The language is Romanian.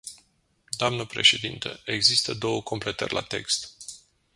Doamnă președintă, există două completări la text.